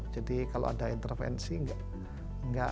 jadi kalau ada intervensi enggak